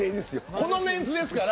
このメンツですから。